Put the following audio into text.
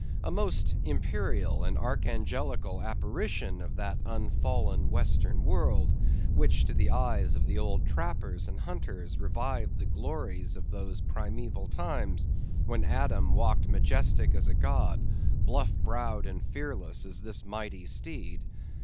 A most imperial and archangelical apparition of that unfallen, western world, which to the eyes of the old trappers and hunters revived the glories of those primeval times when Adam walked majestic as a god, bluff browed and fearless as this mighty steed.